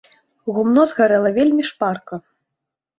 Гумно згарэла вельмі шпарка.